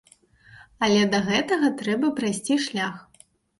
Але да гэтага трэба прайсці шлях.